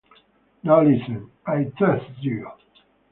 Now, listen - I trust you.